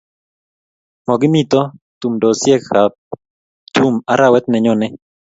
Mukumito tumdosiekab tum arawet ne nyone